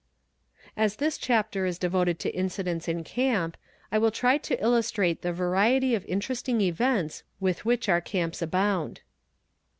As this chapter is devoted to incidents in camp, I will try to illustrate the variety of interesting events with which our camps abound.